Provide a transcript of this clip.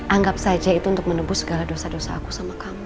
anggap saja itu untuk menebus segala dosa dosa aku sama kamu